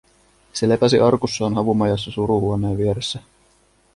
Se lepäsi arkussaan havumajassa suruhuoneen vieressä.